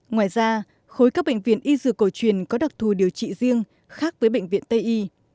ngoài ra khối các bệnh viện y dược cổ truyền có đặc thù điều trị riêng khác với bệnh viện tây y